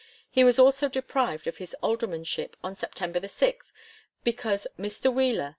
He was also deprivd of his aldermanship on September 6, because Mr, Wheler